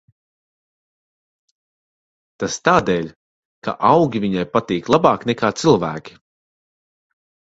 Tas tādēļ, ka augi viņai patīk labāk nekā cilvēki.